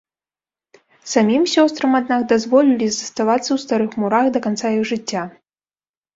Самім сёстрам аднак дазволілі заставацца ў старых мурах да канца іх жыцця.